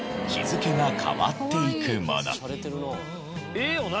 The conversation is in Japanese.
ええよな